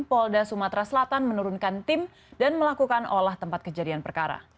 polda sumatera selatan menurunkan tim dan melakukan olah tempat kejadian perkara